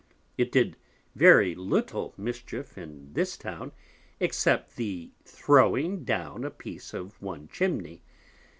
It did very little Mischief in this Town, except the throwing down a Piece of one Chimney.